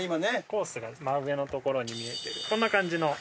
コースが真上の所に見えてるこんな感じの。